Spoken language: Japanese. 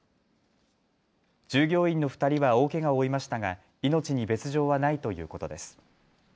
従業員の２人は大けがを負いましたが命に別状はないということです。